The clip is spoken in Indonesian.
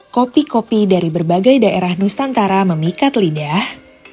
kopi kopi dari berbagai daerah nusantara memikat lidah